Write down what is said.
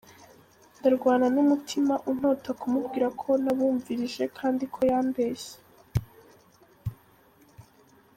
Ndarwana n’umutima untota kumubwira ko nabumvirije kandi ko yambeshye.